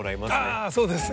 ああそうです。